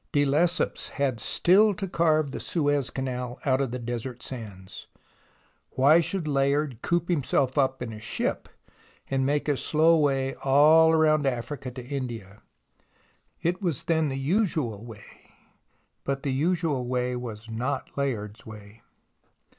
De Lesseps had still to carve the Suez Canal out of the desert sands. Why should Layard coop himself up in a ship and make his slow way all round Africa to India ? It was then the usual way, but the usual way was not Layard's way.